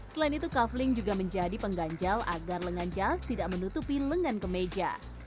selain itu kaveling juga menjadi pengganjal agar lengan jas tidak menutupi lengan kemeja